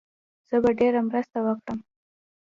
زه به ډېره مرسته وکړم.